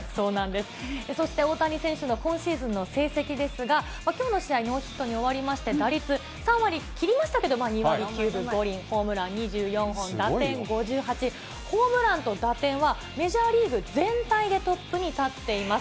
そして大谷選手の今シーズンの成績ですが、きょうの試合、ノーヒットに終わりまして、打率３割切りましたけど、ホームラン２４本、打点５８、ホームランと打点は、メジャーリーグ全体でトップに立っています。